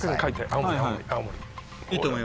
青森青森。